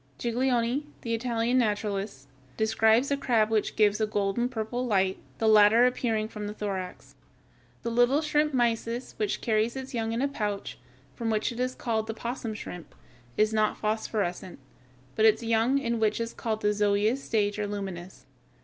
Giglioli, the Italian naturalist, describes a crab which gives a golden purple light, the latter appearing from the thorax. The little shrimp, Mysis, which carries its young in a pouch, from which it is called the opossum shrimp, is not phosphorescent, but its young in what is called the zoëa stage are luminous.